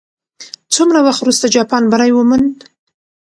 څومره وخت وروسته جاپان بری وموند؟